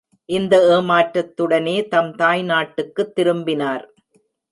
இந்த ஏமாற்றத்துடனே தம் தாய்நாட்டுக்குத் திரும்பினார்.